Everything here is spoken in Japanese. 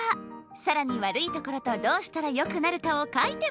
更にわるいところとどうしたらよくなるかを書いてもらいます